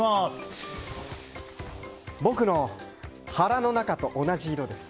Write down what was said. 僕の腹の中と同じ色です。